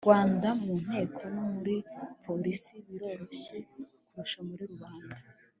rwanda: mu nteko no muri polisi biroroshye kurusha muri rubanda?